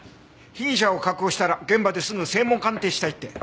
被疑者を確保したら現場ですぐ声紋鑑定したいって。